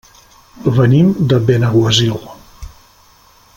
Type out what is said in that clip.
Venim de Benaguasil.